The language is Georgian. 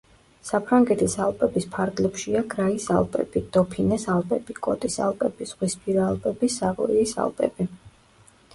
საფრანგეთის ალპების ფარგლებშია: გრაის ალპები, დოფინეს ალპები, კოტის ალპები, ზღვისპირა ალპები, სავოიის ალპები.